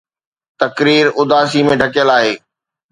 تقرير اداسي ۾ ڍڪيل آهي